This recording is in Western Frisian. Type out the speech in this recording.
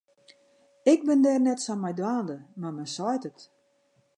Ik bin dêr net sa mei dwaande, mar men seit it.